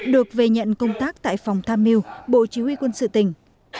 được về nhận công tác tại phòng tham miu bộ chỉ huy quân sự tỉnh